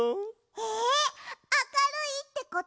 えあかるいってことはでんき？